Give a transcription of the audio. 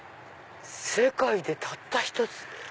世界でたった一つ。